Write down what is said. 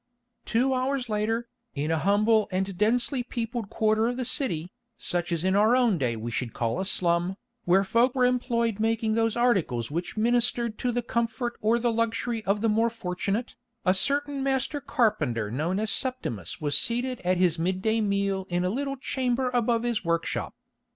Two hours later, in a humble and densely peopled quarter of the city, such as in our own day we should call a slum, where folk were employed making those articles which ministered to the comfort or the luxury of the more fortunate, a certain master carpenter known as Septimus was seated at his mid day meal in a little chamber above his workshop.